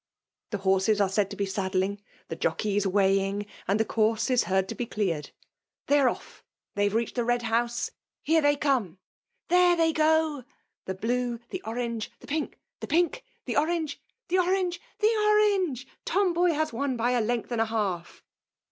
Tbe horses are said to be saddling, the jockeys weighing, and the course is heard to be cleared " They are off, — ^they have reached the red bouse — ^here they come, there they go! the blue> the orange, the pink, the pink, the orange — the orange, the orange 1 —Tomboy has won by a length and a half."